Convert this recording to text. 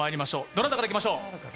どなたからいきましょう？